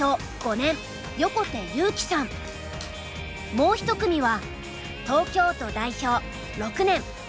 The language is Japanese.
もう一組は。